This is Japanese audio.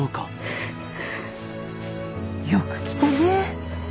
よく来たね。